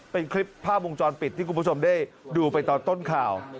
เป็นคลิปภาพวงจรปิดที่คุณผู้ชมได้ดูไปตอนต้นข่าว